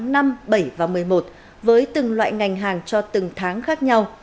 bảy năm bảy và một mươi một với từng loại ngành hàng cho từng tháng khác nhau